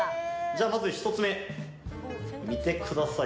まず１つ目、見てください